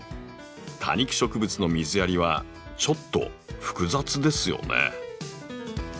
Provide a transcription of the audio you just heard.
多肉植物の水やりはちょっと複雑ですよね。